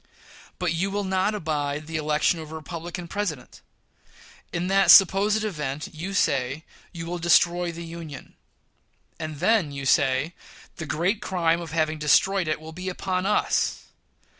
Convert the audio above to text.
But you will not abide the election of a Republican President! In that supposed event, you say, you will destroy the Union; and then, you say, the great crime of having destroyed it will be upon us!